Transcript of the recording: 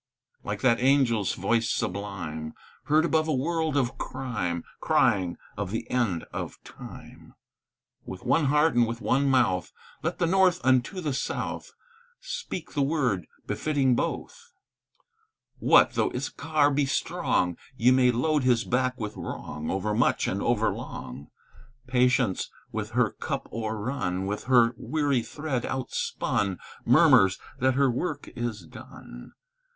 Like that angel's voice sublime, Heard above a world of crime, Crying of the end of time; With one heart and with one mouth, Let the North unto the South Speak the word befitting both: "What though Issachar be strong! Ye may load his back with wrong Overmuch and over long: "Patience with her cup o'errun, With her weary thread outspun, Murmurs that her work is done.